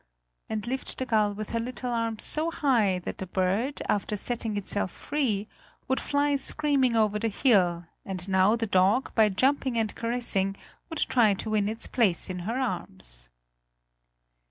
and lift the gull with her little arms so high, that the bird, after setting itself free, would fly screaming over the hill, and now the dog, by jumping and caressing, would try to win its place in her arms.